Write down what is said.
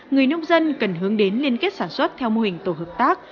người nông dân cần hướng đến liên kết sản xuất theo mô hình tổ hợp tác